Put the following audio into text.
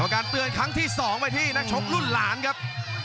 การเตือนครั้งที่๒ไปที่นักชกรุ่นหลานครับ